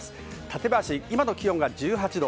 館林、今の気温は１８度。